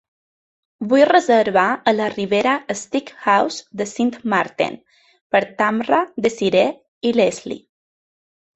Vull reservar al Ribera Steakhouse de Sint Maarten per Tamra, Desiree i Lesley.